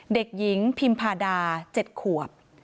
เด็กหญิงพิมพาดา๗ขวบ